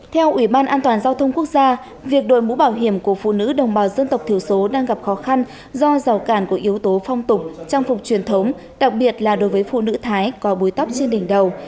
theo ủy ban an toàn giao thông quốc gia việc đổi mũ bảo hiểm của phụ nữ đồng bào dân tộc thiểu số đang gặp khó khăn do rào cản của yếu tố phong tục trang phục truyền thống đặc biệt là đối với phụ nữ thái có búi tóc trên đỉnh đầu